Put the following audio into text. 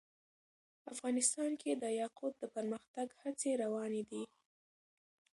افغانستان کې د یاقوت د پرمختګ هڅې روانې دي.